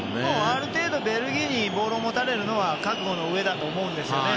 ある程度、ベルギーにボールを持たれるのは覚悟のうえだと思うんですよね。